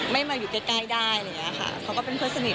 ไม่มาอยู่ใกล้ใกล้ได้อะไรอย่างเงี้ยค่ะเขาก็เป็นเพื่อนสนิท